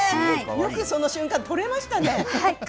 よくその瞬間を撮れましたね。